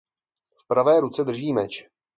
V pravé ruce drží meč.